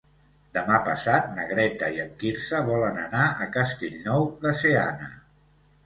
Demà passat na Greta i en Quirze volen anar a Castellnou de Seana.